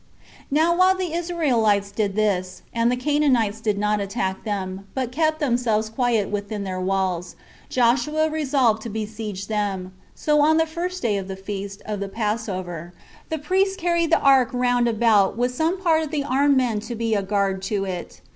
5. Now while the Israelites did this, and the Canaanites did not attack them, but kept themselves quiet within their own walls, Joshua resolved to besiege them; so on the first day of the feast [of the passover], the priests carried the ark round about, with some part of the armed men to be a guard to it.